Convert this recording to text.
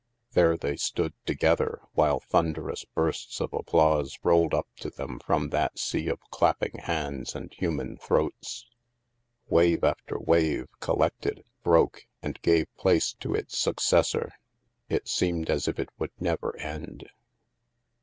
There they stood together while thunderous bursts of applause rolled up to them from that sea of clap ping hands and human throats. Wave after wave collected, broke, and gave place to its successor. It seemed as if it would never end.